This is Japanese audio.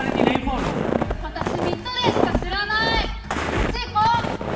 あっち行こう！